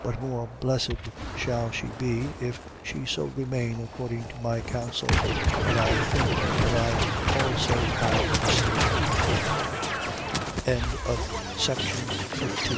7:40. But more blessed shall she be, if she so remain, according to my counsel. And I think that I also have the spirit of God. 1 Corinthians Chapter 8